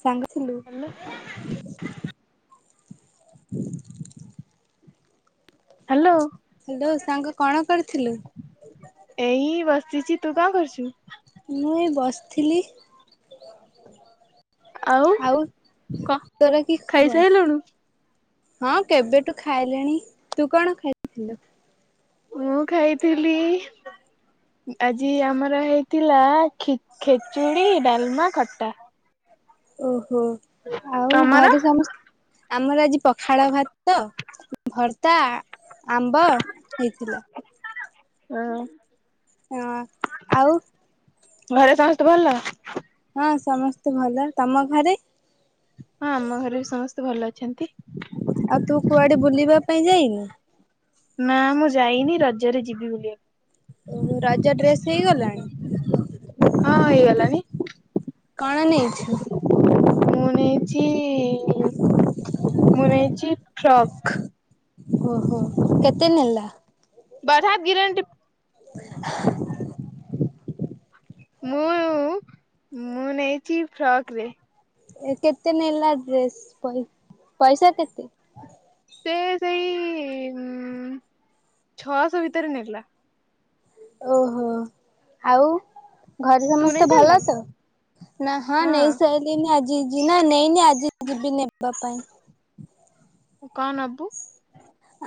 ସାଙ୍ଗଥିଲୁ hello [inaudible] hello ସାଙ୍ଗ କଣ କରିଥିଲୁ? ଏଇ ବସିଚି। ତୁ କଣ କରୁଚୁ? ମୁଁ ବସିଥିଲି। ଆଉ କ ତୋର କି ଖବର? ଖାଇସାଇଲୁଣୁ? ହଁ କେବେଠୁ ଖାଇଲିଣି ତୁ କଣ ଖାଇଥିଲୁ? ମୁଁ ଖାଇଥିଲି ଆଜି ଆମର ହେଇଥିଲା ଖି ଖେଚୁଡି ଡାଲମା ଖଟା। ଓ ହ ଆଉ ତମର? ଘରେ ସମସ୍ତ ଆମର ଆଜି ପଖାଳ ଭାତ ତ ଭର ତା ଆମ୍ବ ହେଇଥିଲା। ହଁ ହଁ ଆଉ ଘରେ ସମସ୍ତେ ଭଲ? ହଁ ସମସ୍ତେ ଭଲ ତମ ଘରେ? ହଁ ଆମ ଘରେ ବି ସମସ୍ତେ ଭଲ ଅଛନ୍ତି। ଆଉ ତୁ କୁଆଡେ ବୁଲିବା ପାଇଁ ଯାଇନୁ? ନା ମୁଁ ଯାଇନି ରଜରେ ଯିବି ବୁଲିବାକୁ। ଓହୋ ରଜ ଡ୍ରେସ୍ ହଁ ହେଇଗଲାଣି? [inaudible] କଣ ନେଇଛୁ ଶୁଣିଛି ମୁଁ ନେଇଛି ଫ୍ରକ୍ ଓହୋ କେତେ ନେଲା? [unintelligible] ମୁଁ ମୁଁ ନେଇଛି ଫ୍ରକ ରେ ଏ କେତେ ନେଲା ଡ୍ରେସ ପଇସା କେତେ? ସେ ସେଇ ଛଅଶହ ଭିତରେ ନେଲା। ଓହୋ ଆଉ ଘରେ ତୁ ନେଇ ସମସ୍ତେ ଭଲ ସାରିଲୁଣି? ତ ନା ହଁ ନେଇ ସାଇଲିନି ଆଜି ନା ନେଇନି ଆଜି ଯିବି ନେବା ପାଇଁ। ହଁ କଣ ନବୁ?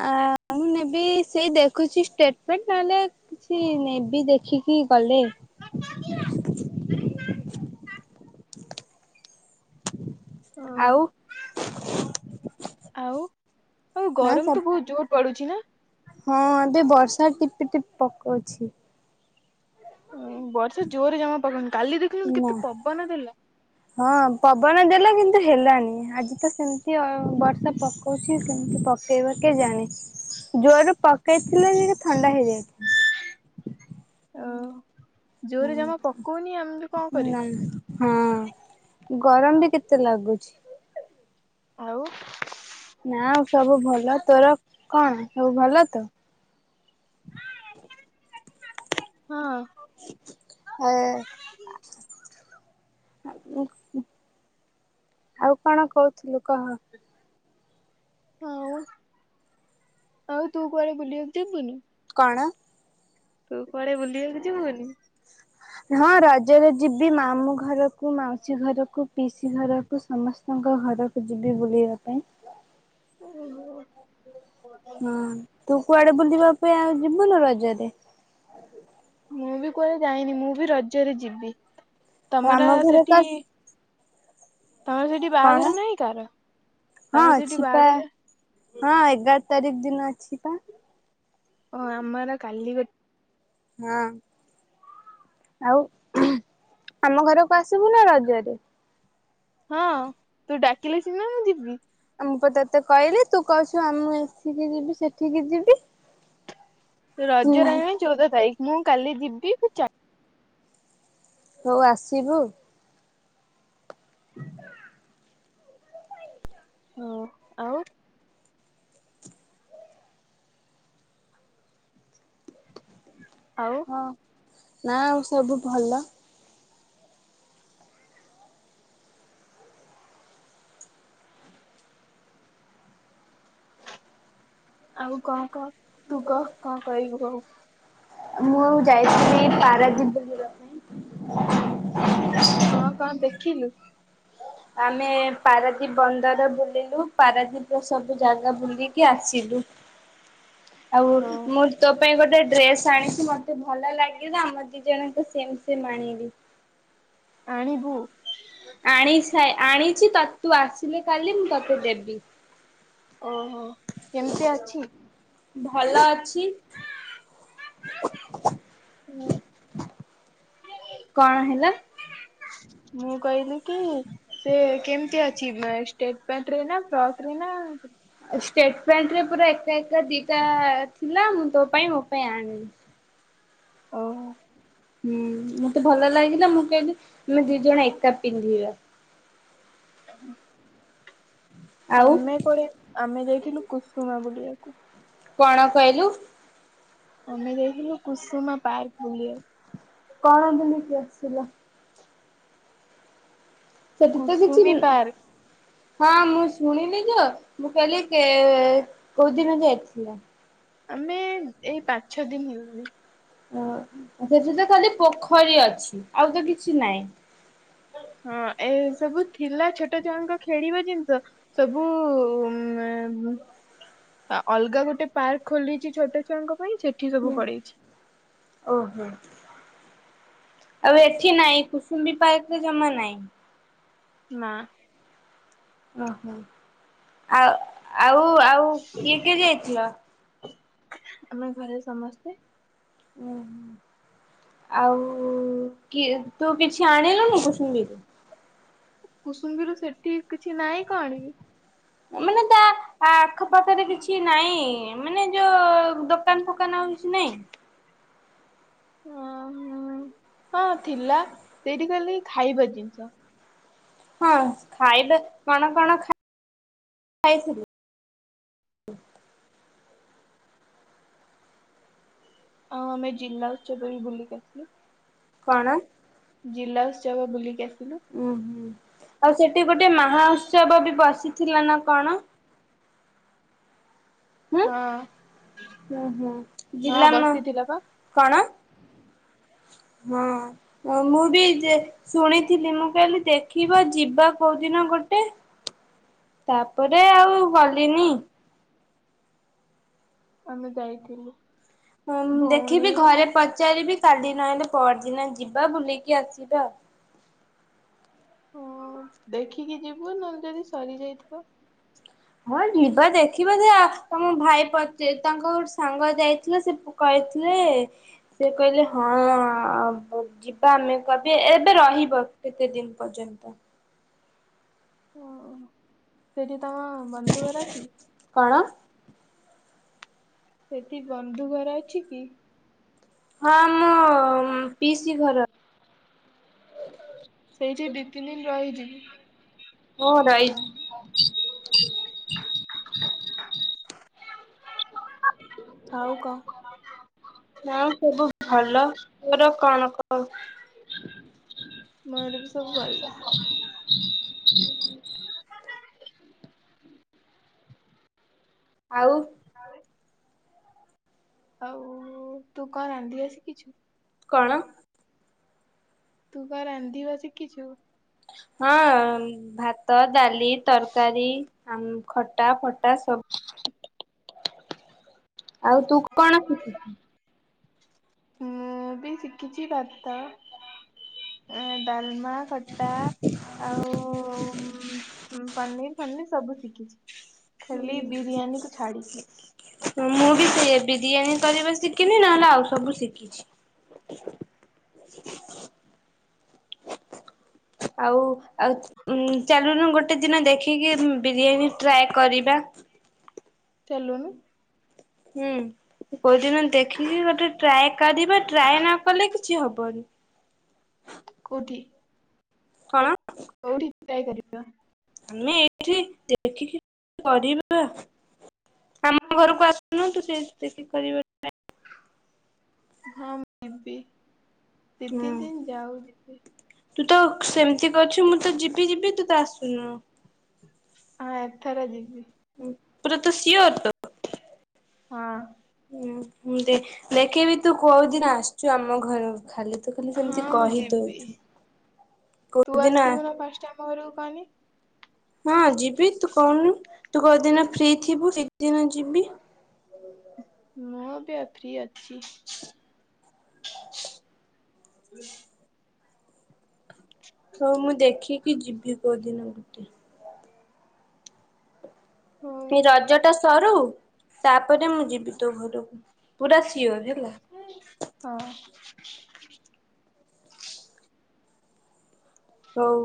ଆ ମୁଁ ନେବି ସେଇ ଦେଖୁଛି ଷ୍ଟେଟମେଣ୍ଟ୍ ନହେଲେ କିଛି ନେବି ଦେଖିକି ଗଲେ। ଅଁ, ଆଉ ଆଉ ଆଉ ନା ଗରମ ତ ସବୁ ବହୁତ୍ ଜୋର୍ ପଡୁଛି ନା? ହଁ ଏବେ ବର୍ଷା ଟିପିଟିପ୍ ପକଉଛି। ବର୍ଷା ଜୋରରେ ଜମା ପକଉନି। କାଲି ଦେଖିଲିନୁ କେତେ ନା। ପବନ ଦେଲା। ହଁ ପବନ ଦେଲା କିନ୍ତୁ ହେଲାନି। [inaudible] ଆଜି ତ ସେମିତି ଆଉ, ବର୍ଷା ପକଉଛି କେମିତି ପକେଇବ କେଜାଣେ, ଜୋରରେ ପକେଇ [unintelligible] ଥଣ୍ଡା ହେଇଯାଇଥିଲା। ହୁଁ ଜୋରରେ ଜମା ପକଉନି ଆମେ କଣ ହୁଁ କରିବୁ ନା ହଁ ଉଁ ଗରମ ବି କେତେ ଲାଗୁଛି। ଆଉ ନା ଆଉ ସବୁ ଭଲ ତୋର କଣ ସବୁ ଭଲ ତ? ହଁ। ଆ, ଆଉ କଣ କହୁଥିଲୁ କହ? ଆଉ ଆଉ ତୁ କୁଆଡେ ବୁଲିବାକୁ ଯିବୁନୁ? କଣ? ତୁ କୁଆଡେ ବୁଲିବାକୁ ଯିବୁନି? ନା ରଜରେ ଯିବି ମାମୁଁ ଘରକୁ, ମାଉସୀ ଘରକୁ, ପିଇସି ଘରକୁ ସମସ୍ତଙ୍କ ଘରକୁ ଯିବି ବୁଲିବା ପାଇଁ। ହୁ ହୁଁ ହଁ ତୁ କୁଆଡେ ବୁଲିବା ପାଇଁ ଆଉ ଯିବୁନୁ ରଜରେ? ମୁଁ ବି କୁଆଡେ ଯାଇନି ମୁଁ ବି ରଜରେ ଯିବି। ତମର ଆମ ଘରେ ସେଠି ତସ୍ ତମର ସେଠି ବାହାଘର ନାହିଁ କାର, ହଁ ତମର ସେଠି ଅଛି ପା ବାହାଘର? ହଁ ଏଗାର ତାରିଖ ଦିନ ଅଛି ପା। ଓ ଆମର କାଲି ଗୋଟ୍ ହଁ, ଆଉ ଆମ ଘରକୁ ଆସିବୁ ନା ରଜରେ? ହଁ ତୁ ଡାକ୍ କିିଲେ ସିନା ମୁଁ ଯିବି। ମୁଁ ପା ତତେ କହିଲି, ତୁ କହୁଛୁ ଆମେ ଏଠିକି ଯିବି ସେଠିକି ଯିବି। ହୁଁ ରଜ ରହିଲାଣି ଚଉଦ ତାରିଖ। ମୁଁ କାଲି ଯିବି ସେ ଚା ହଉ ଆସିବୁ। [unintelligible] ହଁ ଆଉ ଆଉ ହଁ। ନା ଆଉ ସବୁ ଭଲ। ଆଉ କଣ କହ ତୁ କହ କଣ କହିବୁ କହ? ମୁଁ ଯାଇଥିଲି ପାରାଦୀପ ବନ୍ଦର। ହଁ କଣ ଦେଖିଲୁ? ଆମେ ପାରାଦୀପ ବନ୍ଦର ବୁଲିଲୁ। ପାରାଦୀପ ର ସବୁ ଜାଗା ବୁଲିକି ଆସିଲୁ ଆଉ ଓ ମୁଁ ତୋ ପାଇଁ ଗୋଟେ ଡ୍ରେସ ଆଣିଚି ମତେ ଭଲ ଲାଗିଲା ଆମ ଦି ଜଣ ଙ୍କ ସେମ୍ ସେମ୍ ଆଣିଲି। ଆଣିବୁ? ଆଣି ସ ସା ଆଣିଛି ତ ତୁ ଆସିଲେ କାଲି ମୁଁ ତୋତେ ଦେବି। ଓହୋ କେମିତି ଅଛି? ଭଲ ଅଛି। ହୁଁ। କଣ ହେଲା? ମୁଁ କହିଲି କି ସେ କେମତି ଅଛି ଷ୍ଟେଟ ପ୍ୟାଣ୍ଟ ରେ ନା ଫ୍ରକ ରେ ନା ଷ୍ଟେଟ ପ୍ୟାଣ୍ଟ ରେ ପୁରା ଏକା ଏକା ଦିଟା ଥିଲା ମୁଁ ତୋ ପାଇଁ ମୋ ପାଇଁ ଆଣିଲି। ଓ ହୋ। ହୁଁ ମତେ ଭଲ ଲାଗିଲା ମୁଁ କେହିଲି ଆମେ ଦି ଜଣ ଏକା ପିନ୍ଧିବା। ହଁ ଆଉ ଆମେ କୁଆଡେ ଆମେ ଯାଇଥିଲୁ କୁସୁମା ବୋଲିବାକୁ। କଣ କହିଲୁ? ଆମେ ଯାଇଥିଲୁ କୁସୁମା ପାର୍କ ବୁଲିବାକୁ। କଣ ବୁଲିକି ଆସିଲ। ସେଠି ତ କିଛି କୁସୁମୀ ପାର୍କ ହଁ ମୁଁ ଶୁଣିଲି ଯେ। ମୁଁ କହିଲି କେ କୋଉଦିନ ଯାଇଥିଲ। ଆମେ ଏଇ ପାଞ୍ଚ ଛଅ ଦିନ ହେଇଗଲାଣି। ହଁ। ସେଠି ତ ଖାଲି ପୋଖରୀ ଅଛି ଆଉ ତ କି କିଛି ନାଇଁ। ହଁ ଏ ସବୁ ଥିଲା ଛୋଟ ଛୁଆଙ୍କ ଖେଳିବା ଜିନିଷ ସବୁ ଉମ ଅଲଗା ଗୋଟେ ପାର୍କ ଖୋଲିଛି ଛୋଟ ଛୁଆଙ୍କ ପାଇଁ ସେଠି ସବୁ ହୁଁ ପଳେଇଛି। ଓହୋ ଆଉ ଏଠି ନାଇଁ କୁସୁମ୍ବି ପାର୍କ। ଜମା ନାଇ। ନା। ଓହୋ ଆଉ। ଆଉ ଆଉ କିଏ କିଏ ଯାଇଥିଲ। ଆମେ ଘରେ ସମସ୍ତେ। ଓ ହୋ ଆଉ କି ତୁ କିଛି ଆଣିଲୁନି କୁସୁମ୍ବି ରୁ। କୁସୁମ୍ୱିରୁ ସେଠି କିଛି ନାହିଁ କଣ ଆଣିବି। ମାନେ ତା ଆ ଆଖପାଖରେ କିଛି ନାଇଁ ମାନେ ଜୋ ଯୋଉ ଦୋକାନ ଫୋ ଫୋକାନ କିଛି ନାଇଁ। [inaudible] ହଁ ହଁ ହଁ ଥିଲା ସେଇଠି ଖାଲି ଖାଇବା ଜିନିଷ। ହଁ ଖାଇବା କଣ କଣ ଖାଇ ଖାଇ ଥିଲୁ। [inaudible] ହଁ ଆମେ ଜିଲ୍ଲା ଉତ୍ସବ ବି ବୁଲିକି ଆସଲୁ। କଣ [inaudible] ବୁଲିକି ଆସିଲୁ ଉ ହୁଁ ଆଉ ସେଠି ଗୋଟେ ମହା ଉତ୍ସବ ବି ବସିଥିଲା ନା କ କଣ? ହୁଁ ହଁ [inaudible] ଉଁ ହୁଁ ହଁ ଜିଲ୍ଲା ନା ବସିଥିଲା ପା କଣ? [inaudible] ହଁ। ହଁ ମୁଁ ବି ଯେ ଶୁଣିଥିଲି ମୁଁ କହିଲି ଦେଖିବା ଯିବା। କୋଉ ଦିନ ଗୋଟେ [inaudible] ତାପରେ ଆଉ ଗଲିନି। ଆମେ ଯାଇଥିଲୁ। ହଁ ଦେଖିବି ଭଉଣୀ ଘରେ ପଚାରିବି କାଲି ନହେଲେ ପରଦିନ ଯିବା ବୁଲିକି ଆସିବା। ହଁ ଦେଖିକି ଯିବୁ ନହେଲେ ଯଦି ସରି ଯାଇଥିବ। ହଁ ଯିବା ଦେଖିବା ସେଆ ତମ ଭାଇ ପଚା ତାଙ୍କ ସାଙ୍ଗ ଯାଇଥିଲେ ସେ କହିଥିଲେ ସେ କହିଲେ ହଁ। ଆବ ଯିବା ଆମେ କବେ ଏବେ ରହିବ କେତେ ଦିନ। ପର୍ଯ୍ୟନ୍ତ। ଓ ସେଠି ତମ ବନ୍ଧୁଘରେ ଅଛି। କଣ [inaudible] ସେଠି ବନ୍ଧୁ ଘର ଅଛି କି? ହଁ ମୋ ପିଇସି ଘର। ସେଇଠି ଦି ତିନି ଦିନ ରହିଛି। ହୁଁ। ହ ରାଇ [inaudible] ଆଉ କ। ହଁ ସବୁ ଭଲ ତୋର କଣ କ। ମୋର ବି ସବୁ ଭଲ। ଆଉ। ଆଉ। ଆଉ ତୁ କଣ ରାନ୍ଧିବା ସିକିଚୁ। କଣ? [inaudible] ତୁ ବା ରାନ୍ଧି ବା ଶିଖିଛୁ। ହଁ ଭାତ ଡାଲି ତରକାରୀ। ଆ ଖଟା ଫଟା ସବୁ। [inaudible] ଆଉ ତୁ କଣ ଶିଖୁଛୁ। ମୁଁ ବି ଶିଖିଛି ଭାତ ଡାଲମା ଖଟା ଆଉ ପନିର ଫନିର ସବୁ ଶିଖିଛି ଖାଲି ବିରିୟାନୀ କୁ ଛାଡିକି ମୁଁ ବି ସେ ବିରିୟାନୀ କରିବା ଶିଖିନି ନହେଲେ ଆଉ ସବୁ ଶିଖିଛି ଆଉ ଆଉ ଚାଲୁନୁ ଗୋଟେ ଦିନ ଦେଖିକି ବିରିୟାନୀ ଟ୍ରାଏ କରିବା ଚାଲୁନୁ ହୁଁ କୋଉଦିନ ଦେଖିକି ଗୋଟେ ଟ୍ରାଏ କରିବା ଟ୍ରାଏ ନ କଲେ କିଛି ହବ ବନ୍ଦ କୋଠି କଣ କଉଠି ଟ୍ରାଏ କରିବା ଆମେ ଏଇଠି ଦେଖିକି କରିବ ଆମ ଘରକୁ ଆସୁନାହନ୍ତୁ ସେ ଦେଖି କରିବ ହଁ ମୁ ବି ଦି ହୁଁ ତିନି ଦିନ ଯାଉ ଯିବି ତୁ ତ ସେମିତି କରିଛୁ ମୁଁ ତ ଯିବି ଯିବି ତୁ ତ ଆସୁନୁ ହଁ ଏଥର ଯିବି ପୁରା ତ ସିଓର୍ତ ହଁ ଦେ ଦେଖିବି ତୁ କୋଉ ଦିନ ଆସିଛୁ ଆମ ଆମ ଘର ଖାଲି ତୁ ଖାଲି ହଁ ସେମିତି ମୁଁ ଯିବି କହିଦଉଛୁ। ତୁ କୋଉଦିନ ଆସିବୁ ନା ଫାଷ୍ଟ ଆମ ଘରକୁ କହନି ହଁ ଯିବି, ତୁ କହୁନୁ ତୁ କଉଦିନ ଫ୍ରି ଥିବୁ ସେ ଦିନ ଯିବି। ମୁଁ ବି ଅ ଫ୍ରି ଅଛି ହୁ ହଉ ମୁଁ ଦେଖିକି ଯିବି କୋଉଦିନ ଗୋଟେ। ହଉ ଏ ରଜ ଟା ସରୁ, ତାପରେ ମୁଁ ଯିବି ତୋ ଘରକୁ ପୁରା ସିଓର ହେଲା। ହଁ ହଉ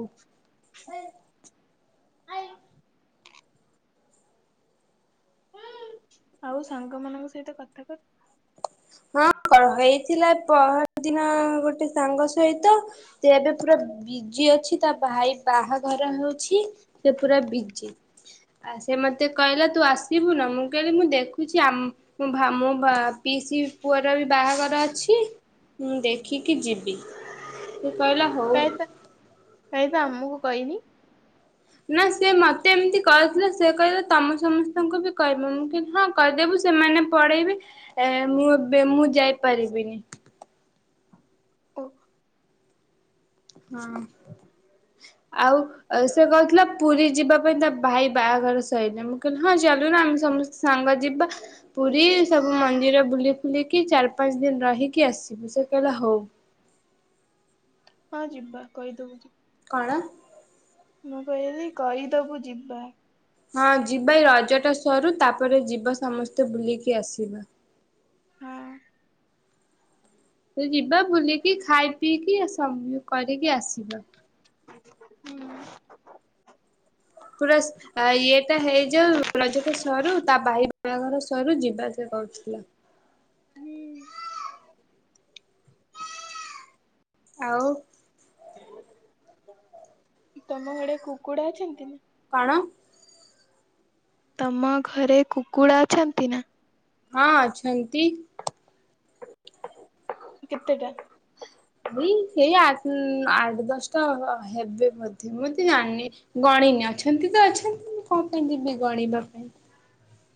ଆଉ ସାଙ୍ଗ ମାନଙ୍କ ସହିତ କଥା କର ହଁ ହେଇଥିଲା ପହର ଦିନ ଗୋଟେ ସାଙ୍ଗ ସ ସହିତ ସେ ଏବେ ପୁରା ବିଜି ଅଛି ତା ଭାଇ ବାହାଘର ଯା ହଉଛି ସେ ପୁରା ବିଜି ଆ, ସେ ମୋତେ କହିଲା ତୁ ଆସିବୁ ନା? ମୁଁ କହିଲି ମୁଁ ଦେଖୁଛି ଆମ୍ ମୋ ଭା-ମୋ ବା ପିଇସି ପୁଅର ବି ବାହାଘର ଅଛି। ଉଁ, ଦେ କି ଯିବି ସେ କହିଲା ହଉ। କାଇଁ ତ କାଇଁ ତ ଆମକୁ କହିନି ନା ସିଏ ମତେ ଏମତି କରିଥିଲେ ସେ କହିଲେ ତମ ସମସ୍ତଙ୍କୁ ବି କହିବ ମୁଁ କିନ୍ତୁ ହଁ କରିଦେବୁ ସେମାନେ ପଢେଇବେ ଏ ମୁଁ ଏ ଏବେ ମୁଁ ଯାଇ ପାରିବିନି। ଓଃ ହଁ। ଆଉ ସେ କହିଥିଲା ପୁରୀ ଯିବା ପାଇଁ। ତା ଭାଇ ବାହାଘର ସଇିଲ ମୁଁ କହିଲି ହଁ ଚାଲୁନ ଆମେ ସମସ୍ତେ ସାଙ୍ଗ ଯିବା ପୁରୀ ସବୁ ମନ୍ଦିର ବୁଲି ଫୁଲିକି ଚାରି ପାଞ୍ଚ ଦିନ ରହିକି ଆସିବୁ ସେ କହିଲା ହୋଉ। ହଁ ଯିବା କହିଦବୁ [unintelligible] କଣ ମୁଁ କହିଲି କହି ଦବୁ ଯିବା। ହଁ ଯିବା ଏଇ ରଜଟା ସରୁ ତାପ ପରେ ଯିବା ସମସ୍ତେ ବୁଲିକି ଆସିବା। ହଁ। ଯିବା ବୁଲିକି ଖାଇ ପିଇକି କରିକି ଆସିବା। ହୁଁ। ପୁରା ଇଏଟା ହେଇଯାଉ ରଜ ସରୁ ତା ଭାଇ ବାହାଘର ସରୁ ଯିବା ସେ କହୁଥିଲା। ହୁଁ ଆଉ [inaudible] ତମ ଆଡେ କୁକୁଡା ଅଛନ୍ତି? କଣ? ତମ ଘରେ କୁକୁଡ଼ା ଅଛନ୍ତି ନା? ହଁ ଅଛନ୍ତି। କେତେଟା [inaudible] ଏଇ ସେଇ ଆ ଉଁ ଆଠ ଦଶଟା ହେବେ ବୋଧେ ମୁଁ ତ ଜାଣିନି ଗଣିନି ଅଛନ୍ତି ତ ଅଛନ୍ତି। ମୁ କଣ ପାଇଁ ଯିବି ଗଣିବା ପାଇଁ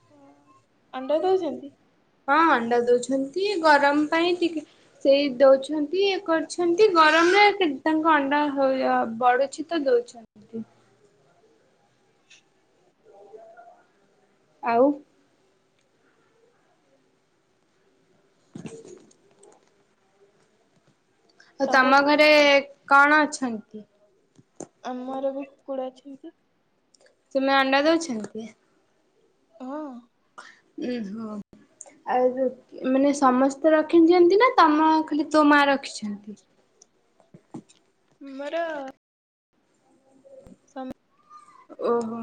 ହଁ ଅଣ୍ଡା ଦଉଛନ୍ତି? ହଁ ଅଣ୍ଡା ଦଉଛନ୍ତି ଗରମ ପାଇଁ ଟିକେ ସେଇ ଦଉଛନ୍ତି ଇଏ କରୁଛନ୍ତି ଗରମରେ ତାଙ୍କ ଅଣ୍ଡା ହ ବଢୁଛି ତ ଦଉଛନ୍ତି। ଆଉ ତମର ତମ କୁ ଘରେ କଣ ଅଛି? [unintelligible] ଆମର ବି କୁକୁଡା ଅଛନ୍ତି। ନା ଅଣ୍ଡା ଦଉଛନ୍ତି? ହଁ। ଉ ହୋ ଆଉ ମାନେ ସମସ୍ତେ ରଖିଛନ୍ତି। ନା ତମ ଖାଲି ତୋ ମା ରଖିଛନ୍ତି? ଆମର ସମ ଓହୋ।